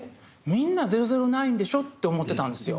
みんな「００９」でしょって思ってたんですよ。